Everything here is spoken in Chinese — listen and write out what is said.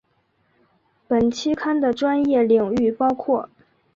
本期刊的专业领域包含